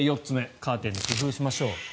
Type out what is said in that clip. カーテンに工夫しましょう。